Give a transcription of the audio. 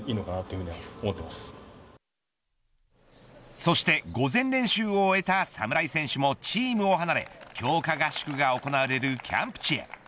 そして午前練習を終えた侍選手もチームを離れ強化合宿が行われるキャンプ地へ。